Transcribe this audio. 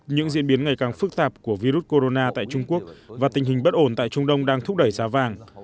những diễn biến ngày càng phức tạp của virus corona tại trung quốc và tình hình bất ổn tại trung đông đang thúc đẩy giá vàng